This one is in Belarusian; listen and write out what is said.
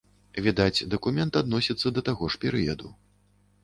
Відаць, дакумент адносіцца да таго ж перыяду.